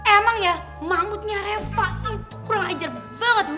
emang ya mangutnya reva itu kurang ajar banget